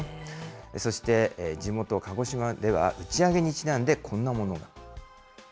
そして地元、鹿児島では打ち上げにちなんで、こんなものが。